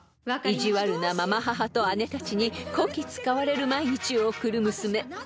［意地悪なまま母と姉たちにこき使われる毎日を送る娘シンデレラ］